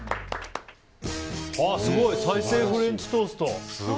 すごい、再生フレンチトースト。